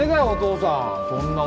お父さん